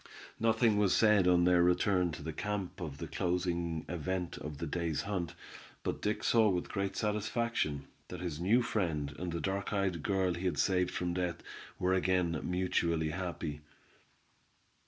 Nothing was said on their return to the camp of the closing event of the day's hunt, but Dick saw with great satisfaction, that his new friend and the dark eyed girl he had saved from death, were again mutually happy.